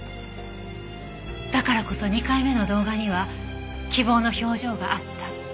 だからこそ２回目の動画には希望の表情があった。